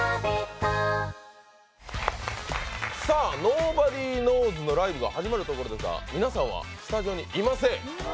ｎｏｂｏｄｙｋｎｏｗｓ＋のライブが始まるということですが皆さんはスタジオにいません。